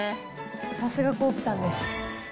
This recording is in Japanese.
さすがコープさんです。